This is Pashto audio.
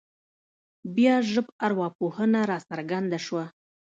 بیا ژبارواپوهنه راڅرګنده شوه